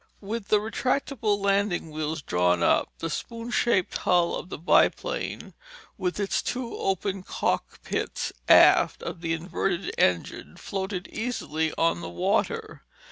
With the retractible landing wheels drawn up, the spoon shaped hull of the biplane, with its two open cockpits aft of the inverted engine, floated easily on the water.